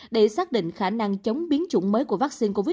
để xác định khả năng chống biến chủng mới của vaccine covid